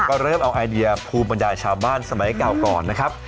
ก็เริ่มเอาไอเดียภูมิบรรยายชาวบ้านสมัยเก่าก่อนนะครับ